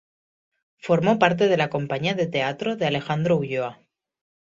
Formó parte de la Compañía de Teatro de Alejandro Ulloa.